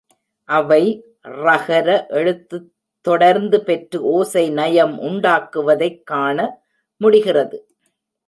அவை றகர எழுத்துத் தொடர்ந்து பெற்று ஒசை நயம் உண்டாக்குவதைக் காண முடிகிறது.